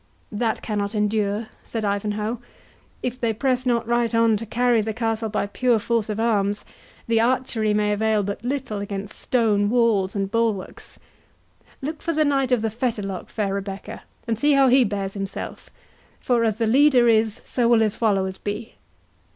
"That cannot endure," said Ivanhoe; "if they press not right on to carry the castle by pure force of arms, the archery may avail but little against stone walls and bulwarks. Look for the Knight of the Fetterlock, fair Rebecca, and see how he bears himself; for as the leader is, so will his followers be."